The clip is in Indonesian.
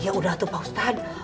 ya udah tuh pak ustadz